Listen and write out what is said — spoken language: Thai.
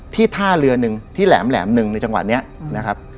ที่ท่าเรือนึงที่แหลมหนึ่งในจังหวัดนี้